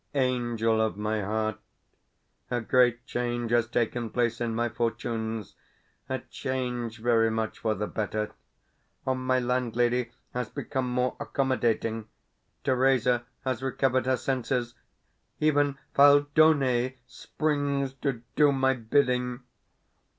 Angel of my heart, a great change has taken place in my fortunes a change very much for the better. My landlady has become more accommodating; Theresa has recovered her senses; even Phaldoni springs to do my bidding.